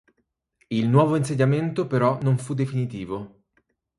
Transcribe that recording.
Il nuovo insediamento però non fu definitivo.